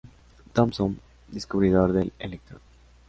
Thomson, descubridor del electrón.